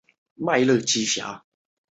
此效应最早是由空投的核爆被发现的。